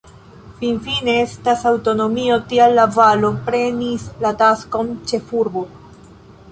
Finfine estas aŭtonomio, tial La-Valo prenis la taskon ĉefurbo.